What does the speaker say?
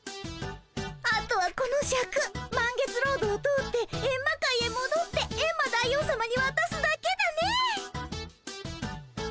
あとはこのシャク満月ロードを通ってエンマ界へもどってエンマ大王さまにわたすだけだね。